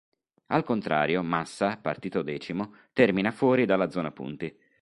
Al contrario Massa, partito decimo, termina fuori dalla zona punti.